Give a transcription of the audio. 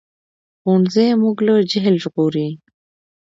ښوونځی موږ له جهل ژغوري